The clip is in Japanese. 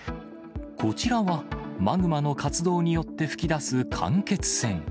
こちらは、マグマの活動によって噴き出す間欠泉。